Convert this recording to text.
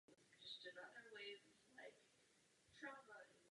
Potok spravuje státní podnik Povodí Ohře.